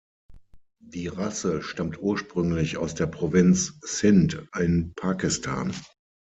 Die Rasse stammt ursprünglich aus der Provinz Sindh in Pakistan.